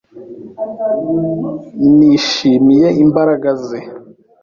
Nishimiye imbaraga ze.